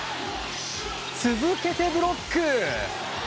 続けて、ブロック！